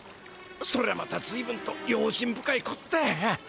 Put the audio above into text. そりゃまたずいぶんと用心深いこった。